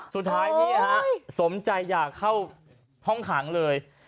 สุดท้ายสมใจอยากเข้าห้องขังเลย